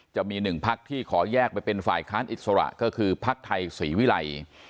จะมี๑พักที่ขอยากไปเป็นฝ่ายค้านอิสระก็คือพักไทยสวีไลย